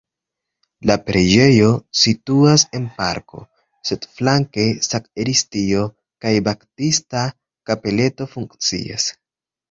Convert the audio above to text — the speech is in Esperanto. La preĝejo situas en parko, sed flanke sakristio kaj baptista kapeleto funkcias.